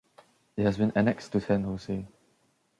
It has been annexed to San Jose.